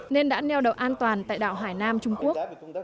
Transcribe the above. nên đã neo đậu an toàn tại đảo hải nam trung quốc